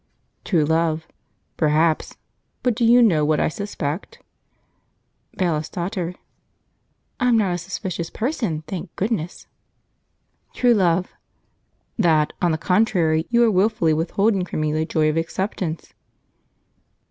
True Love. "Perhaps; but do you know what I suspect?" Bailiff's Daughter. "I'm not a suspicious person, thank goodness!" True Love. "That, on the contrary, you are wilfully withholding from me the joy of acceptance."